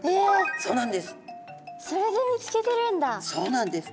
そうなんです。